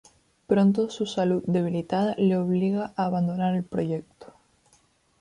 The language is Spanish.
Pronto su salud debilitada le obliga a abandonar el proyecto.